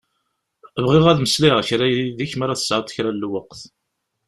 Bɣiɣ ad meslayeɣ kra yid-k m'ara tesεuḍ kra n lweqt.